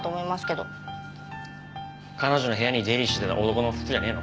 彼女の部屋に出入りしてた男の服じゃねえの？